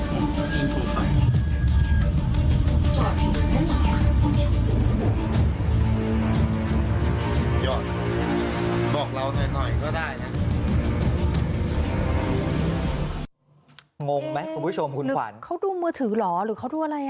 โน้งไหมคุณผู้ชมคุณขวันเห็นยังคงนึกเขาดูเมือถือเหรอ